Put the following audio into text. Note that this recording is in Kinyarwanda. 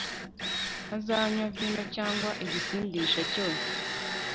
Ntazanywa vino cyangwa igisindisha cyose